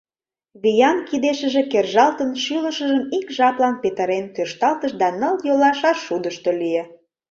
Виян кидешыже кержалтын, шӱлышыжым ик жаплан петырен, тӧршталтыш да ныл йола шаршудышто лие.